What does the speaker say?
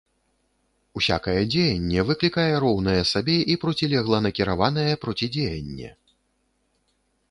Усякае дзеянне выклікае роўнае сабе і процілегла накіраванае процідзеянне.